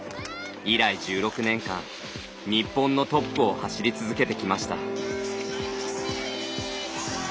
以来、１６年間日本のトップを走り続けてきました。